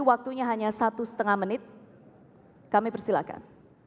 waktunya hanya satu setengah menit kami persilakan